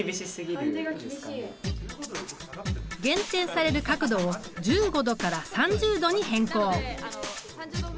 減点される角度を１５度から３０度に変更。